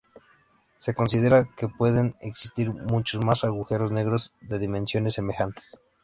Se considera que pueden existir muchos más agujeros negros de dimensiones semejantes.